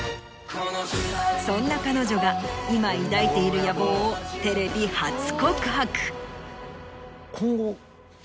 そんな彼女が今抱いている野望をテレビ初告白。